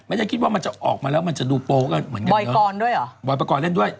ไม่ได้คิดว่ามันจะออกมาแล้วมันจะดูโปรกันเหมือนกันบอยกรด้วยเหรอบอยปกรณ์เล่นด้วย